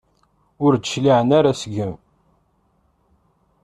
Ur d-cliɛen ara seg-m?